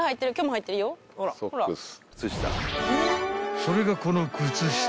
［それがこの靴下］